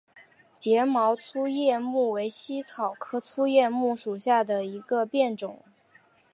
睫毛粗叶木为茜草科粗叶木属下的一个变种。